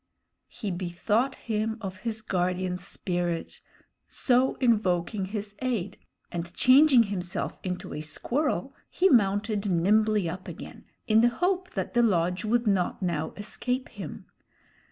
He bethought him of his guardian spirit, so invoking his aid and changing himself into a squirrel, he mounted nimbly up again, in the hope that the lodge would not now escape him.